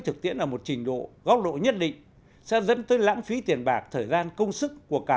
thực tiễn ở một trình độ góc độ nhất định sẽ dẫn tới lãng phí tiền bạc thời gian công sức của cả